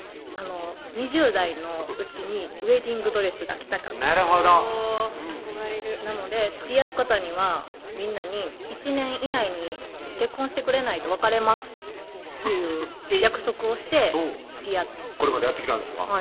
２０代のうちにウエディングドレスが着たかったなるほど憧れるなのでつきあう方にはみんなに「１年以内に結婚してくれないと別れます」っていう約束をしてつきあってこれまでやってきたんですか